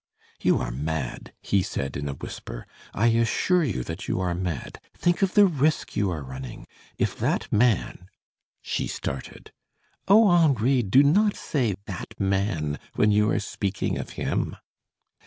"You are mad," he said in a whisper. "I assure you that you are mad. Think of the risk you are running. If that man " She started. "Oh! Henri, do not say that man, when you are speaking of him."